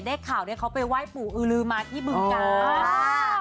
ข่าวเนี่ยเขาไปไหว้ปู่อือลือมาที่บึงกา